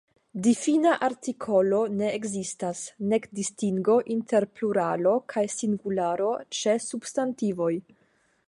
Difina artikolo ne ekzistas, nek distingo inter pluralo kaj singularo ĉe substantivoj.